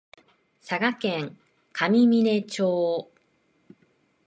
佐賀県上峰町